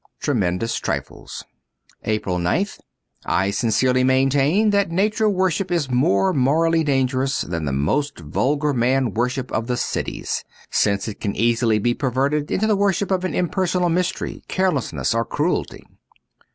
' Tremendous Trifles.* 1 08 APRIL 9th ' T SINCERELY maintain that Nature worship is J[ more morally dangerous than the most vulgar Man worship of the cities ; since it can easily be perverted into the worship of an impersonal mystery, carelessness, or cruelty.